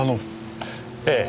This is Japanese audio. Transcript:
ええ。